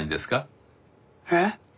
えっ？